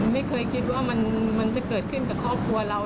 ไม่เคยคิดว่ามันจะเกิดขึ้นกับครอบครัวเรา